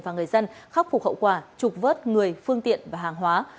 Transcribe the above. và người dân khắc phục hậu quả trục vớt người phương tiện và hàng hóa